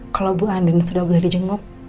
kalau ibu andin sudah boleh di jenguk